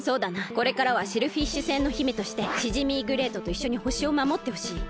これからはシェルフィッシュ星の姫としてシジミーグレイトといっしょにほしをまもってほしい。